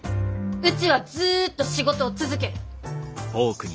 うちはずっと仕事を続ける。